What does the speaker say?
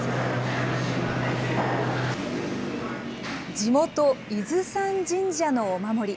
地元、伊豆山神社のお守り。